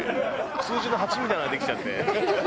数字の「８」みたいなのができちゃって。